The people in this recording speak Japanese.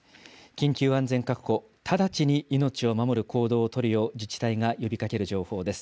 緊急安全確保、直ちに命を守る行動を取るよう自治体が呼びかける情報です。